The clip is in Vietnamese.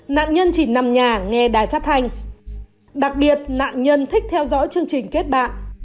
nạn nhân chỉ nằm nhà nghe đài phát thanh đặc biệt nạn nhân thích theo dõi chương trình kết bạn